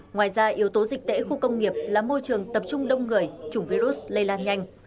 ngoài ra yếu tố dịch tễ khu công nghiệp là môi trường tập trung đông người chủng virus lây lan nhanh